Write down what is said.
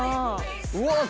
うわっ